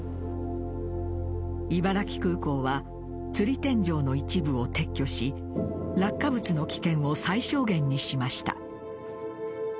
茨城空港はつり天井の一部を撤去し落下物の危険を最小限にしました。